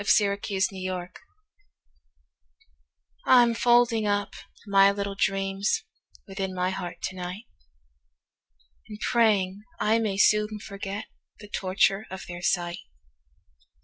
My Little Dreams I'M folding up my little dreamsWithin my heart to night, And praying I may soon forgetThe torture of their sight.